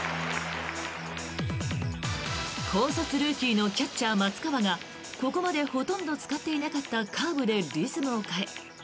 高卒ルーキーのキャッチャー松川がここまでほとんど使っていなかったカーブでリズムを変え